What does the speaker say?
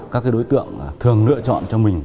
các đối tượng thường lựa chọn cho mình